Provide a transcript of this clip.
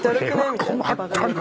みたいな。